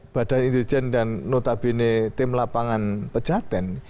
badan intelijen dan notabene tim lapangan pejaten